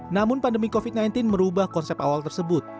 namun pandemi covid sembilan belas merubah konsep awal tersebut